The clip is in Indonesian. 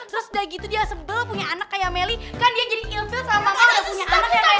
terus udah gitu dia sebel punya anak kayak meli kan dia jadi ilfil sama mama punya anak yang lain